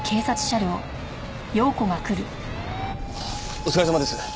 お疲れさまです。